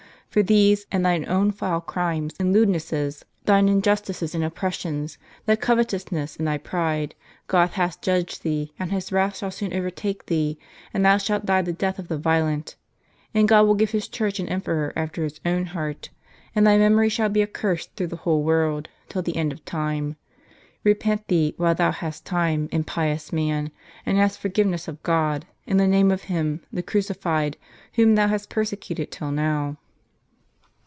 For these, and thine own foul crimes and lewdnesses, thine injustices and oppressions, thy covet * See the Acts of St. Sebastian. ousness and thy pride, God hath judged thee, and His wrath shall soon overtake thee ; and thou shalt die the death of the violent; and God will give His Church an emperor after His own heart. And thy memory shall be accursed through the whole world, till the end of time. Repent thee, while thou hast time, impious man ; and ask forgiveness of God, in the name of Him, the Crucified, whom thou hast persecuted till now."